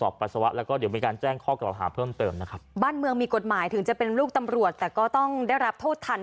บ้านเมืองมีกฎหมายถึงจะเป็นลูกตำรวจแต่ก็ต้องได้รับโทษทัน